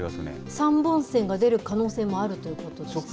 ３本線が出る可能性もあるということですか。